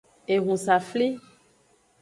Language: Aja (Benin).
Ehunsafli.